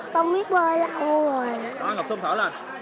con biết bơi lạc hô rồi